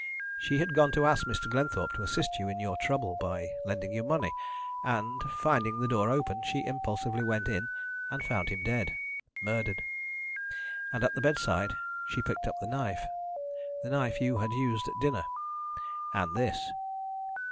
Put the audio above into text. She had gone to ask Mr. Glenthorpe to assist you in your trouble, by lending you money, and, finding the door open, she impulsively went in and found him dead murdered. And at the bedside she picked up the knife the knife you had used at dinner and this."